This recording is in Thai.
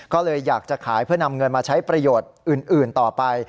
ก็เลยอยากจะขายเพื่อนำเงินมาใช้ประโยชน์อื่นต่อไป